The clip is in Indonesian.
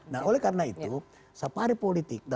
nah oleh karena itu safari politik